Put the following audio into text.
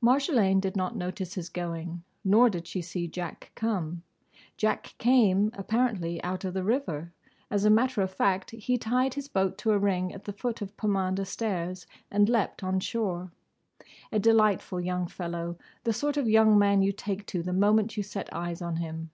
Marjolaine did not notice his going. Nor did she see Jack come. Jack came apparently out of the river. As a matter of fact he tied his boat to a ring at the foot of Pomander Stairs and leaped on shore. A delightful young fellow, the sort of young man you take to, the moment you set eyes on him.